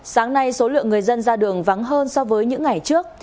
sáng nay số lượng người dân ra đường vắng hơn so với những ngày trước